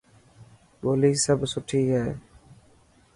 ٻولي سڀ سٺي هي.